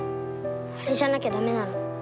あれじゃなきゃ駄目なの。